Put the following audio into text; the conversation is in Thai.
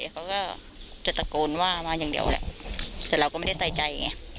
เขาก็จะตะโกนว่ามาอย่างเดียวเดี๋ยวเราไม่ได้ใส่ใจ